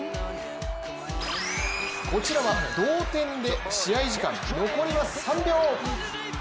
こちらは同点で試合時間残りは３秒。